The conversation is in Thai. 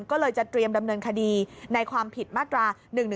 ก็เลยจะเตรียมดำเนินคดีในความผิดมาตรา๑๑๒